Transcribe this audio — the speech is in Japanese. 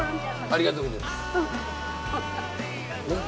ありがとうございます。